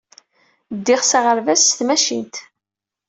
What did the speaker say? Ddiɣ s aɣerbaz s tmacint.